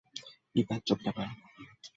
কী তাজ্জব ব্যাপার!